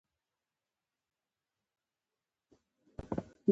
هسې وايو شکر شکر خوند يې ډېر دی